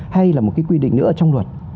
hay là một cái quy định nữa trong luật